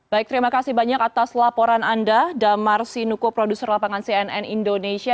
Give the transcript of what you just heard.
baik terima kasih banyak atas laporan anda damar sinuko produser lapangan cnn indonesia